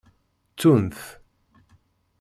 Ttunt.